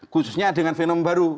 khususnya dengan fenomena baru